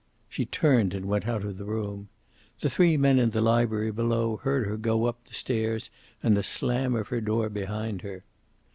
She turned and went out of the room. The three men in the library below heard her go up the stairs and the slam of her door behind her.